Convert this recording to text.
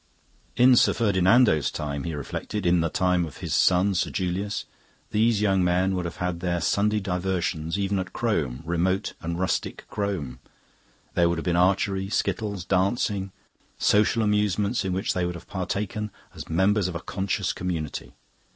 In Sir Ferdinando's time, he reflected, in the time of his son, Sir Julius, these young men would have had their Sunday diversions even at Crome, remote and rustic Crome. There would have been archery, skittles, dancing social amusements in which they would have partaken as members of a conscious community.